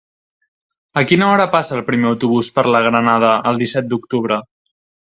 A quina hora passa el primer autobús per la Granada el disset d'octubre?